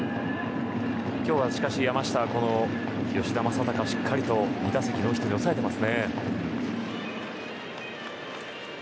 今日はしかし山下、吉田正尚をしっかりと２打席ノーヒットに抑えています。